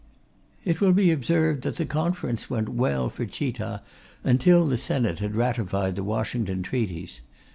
It will be observed that the Conference went well for Chita until the Senate had ratified the Washington treaties.